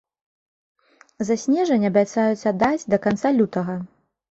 За снежань абяцаюць аддаць да канца лютага.